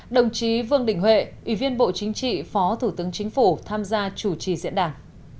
đồng chí vương đình huệ ủy viên bộ chính trị phó thủ tướng chính phủ tham gia chủ trì diễn đàn